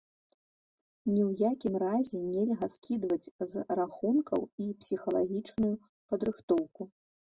Ні ў якім разе нельга скідваць з рахункаў і псіхалагічную падрыхтоўку.